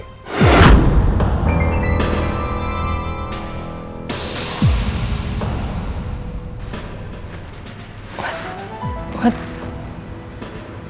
gak pernah keliatan sama dia